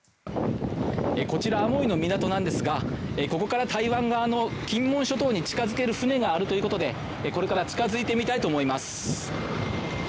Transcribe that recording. こちらアモイの港なんですがここから台湾側の金門島諸島に近付ける船があるということでこれから近付いてみたいと思います。